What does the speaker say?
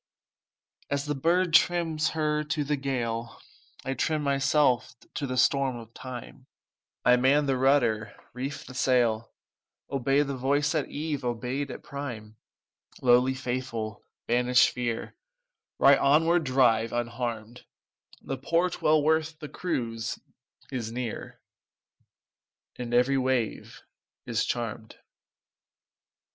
As the bird trims her to the gale, I trim myself to the storm of time, I man the rudder, reef the sail, Obey the voice at eve obeyed at prime: "Lowly faithful, banish fear, Right onward drive unharmed; The port, well worth the cruise, is near, And every wave is charmed."